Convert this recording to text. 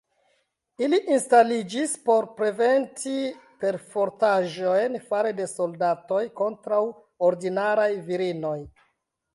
Ili instaliĝis por preventi perfortaĵojn fare de soldatoj kontraŭ ordinaraj virinoj.